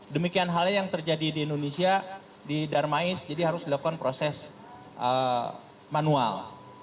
demikian halnya yang terjadi di indonesia di darmais jadi harus dilakukan proses manual